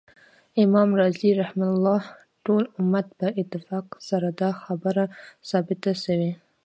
امام رازی رحمه الله : ټول امت په اتفاق سره دا خبره ثابته سوی